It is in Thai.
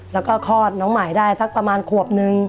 แล้วก็คลอดน้องหมายได้สักประมาณขวบนึง